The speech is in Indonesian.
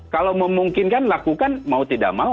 kalau memungkinkan lakukan mau tidak mau